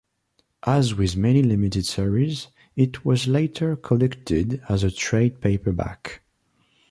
As with many limited series, it was later collected as a trade paperback.